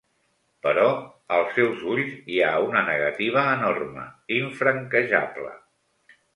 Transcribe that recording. Però als seus ulls hi ha una negativa enorme, infranquejable.